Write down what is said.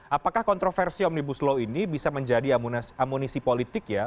apakah kontroversi omnibus law ini bisa menjadi amunisi politik ya